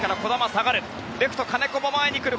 レフト、金子も前に来る。